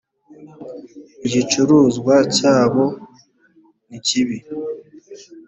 igicuruzwa cyabo nikibi.